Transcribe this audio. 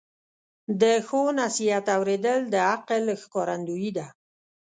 د ښو نصیحت اوریدل د عقل ښکارندویي ده.